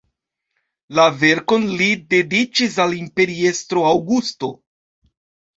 La verkon li dediĉis al imperiestro Aŭgusto.